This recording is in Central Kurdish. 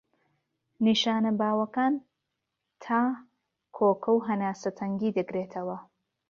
نیشانە باوەکان تا، کۆکە و هەناسە تەنگی دەگرێتەوە.